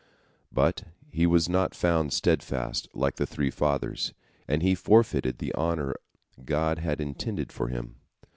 But he was not found steadfast like the three Fathers, and he forfeited the honor God had intended for him.